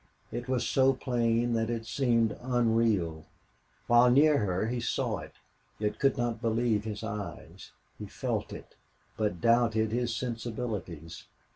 It was so plain that it seemed unreal. While near her he saw it, yet could not believe his eyes; he felt it, but doubted his sensibilities.